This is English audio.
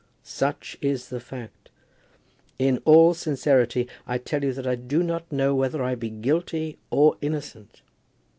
Such is the fact. In all sincerity I tell you that I know not whether I be guilty or innocent.